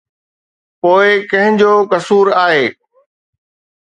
پوءِ ڪنهن جو قصور آهي؟